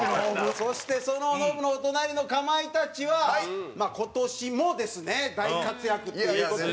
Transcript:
そして、そのノブの隣のかまいたちは、今年もですね大活躍っていう事で。